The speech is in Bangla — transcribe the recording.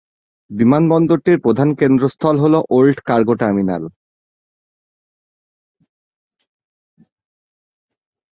বিমানবন্দরটির প্রধান কেন্দ্রস্থল হলো ওল্ড কার্গো টার্মিনাল।